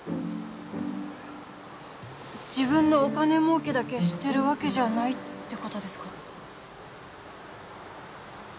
自分のお金儲けだけしてるわけじゃないってことですか？